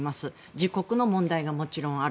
自国の問題がもちろんある。